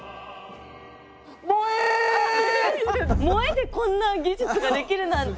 萌えでこんな技術ができるなんて。